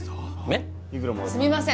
すみません